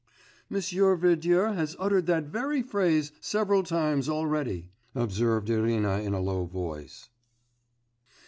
_' 'Monsieur Verdier has uttered that very phrase several times already,' observed Irina in a low voice.